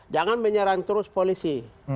jangan menyerang terus polisi